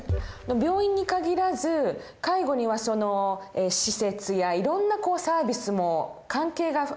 病院に限らず介護にはその施設やいろんなサービスも関係がいろいろありますよね。